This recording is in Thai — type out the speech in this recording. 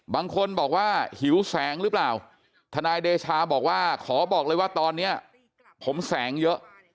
บางคนบอกว่าหิวแสงหรือเปล่าทนายเดชาบอกว่าขอบอกเลยว่าตอนนี้ผมแสงเยอะ